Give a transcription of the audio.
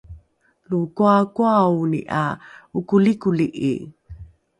lo koakoaoni ’a okolikoli’i